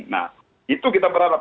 nah itu kita berharap